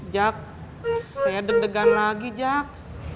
jak saya deg degan lagi jak